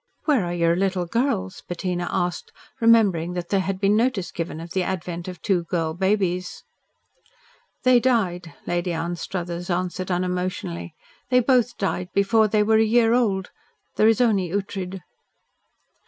"Where are your little girls?" Bettina asked, remembering that there had been notice given of the advent of two girl babies. "They died," Lady Anstruthers answered unemotionally. "They both died before they were a year old. There is only Ughtred."